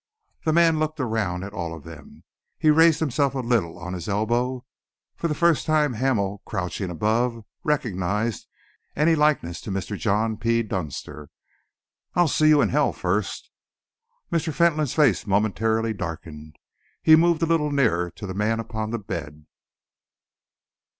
The man looked around at all of them. He raised himself a little on his elbow. For the first time, Hamel, crouching above, recognised any likeness to Mr. John P. Dunster. "I'll see you in hell first!" Mr. Fentolin's face momentarily darkened. He moved a little nearer to the man upon the bed.